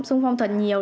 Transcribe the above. sung phong thật nhiều